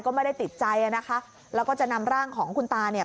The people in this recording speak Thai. ก็ไม่ได้ติดใจอ่ะนะคะแล้วก็จะนำร่างของคุณตาเนี่ย